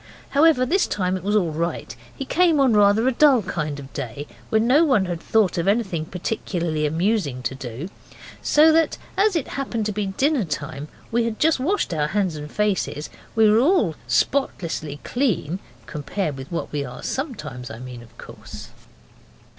However, this time it was all right. He came on rather a dull kind of day, when no one had thought of anything particularly amusing to do. So that, as it happened to be dinner time and we had just washed our hands and faces, we were all spotlessly clean (com pared with what we are sometimes, I mean, of course).